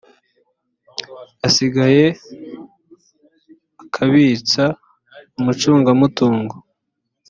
asigaye akabitswa umucungamutungo